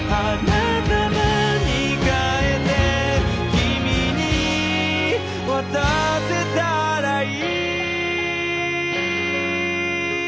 「君に渡せたらいい」